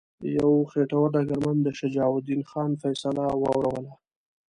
یو خیټور ډګرمن د شجاع الدین خان فیصله واوروله.